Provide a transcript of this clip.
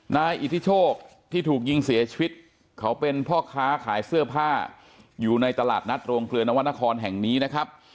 นายอิทธิโชคที่ถูกยิงเสียชีวิตเขาเป็นพ่อค้าขายเสื้อผ้าอยู่ในตลาดนัดโรงเกลือนวรรณครแห่งนี้นะครับ